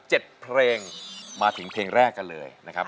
เปลี่ยนเพลงเก่งของคุณและข้ามผิดได้๑คำ